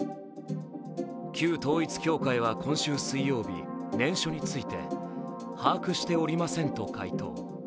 旧統一教会は今週水曜日念書について把握しておりませんと回答。